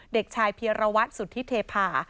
เด็กชายเพียรวัตรสุธิเทพา